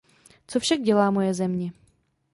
Co však dělá moje země?